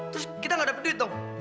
terus kita gak dapet duit dong